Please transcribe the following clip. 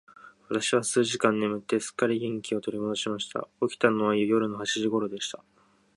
私は数時間眠って、すっかり元気を取り戻しました。起きたのは夜の八時頃でした。